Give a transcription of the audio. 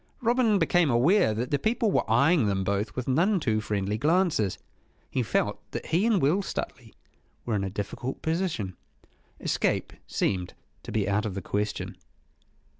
Robin became aware that the people were eyeing them both with none too friendly glances. He felt that he and Will Stuteley were in a difficult position. Escape seemed to be out of the question.